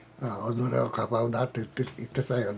「己をかばうな」って言ってたよな